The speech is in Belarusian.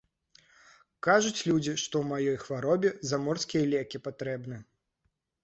Кажуць людзі, што ў маёй хваробе заморскія лекі патрэбны.